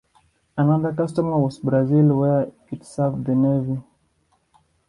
Another customer was Brazil where it served the Navy.